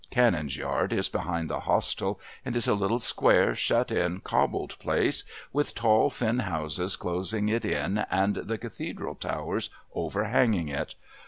Canon's Yard is behind the Hostel and is a little square, shut in, cobbled place with tall thin houses closing it in and the Cathedral towers overhanging it.